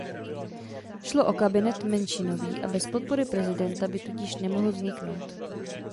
Šlo o kabinet menšinový a bez podpory prezidenta by tudíž nemohl vzniknout.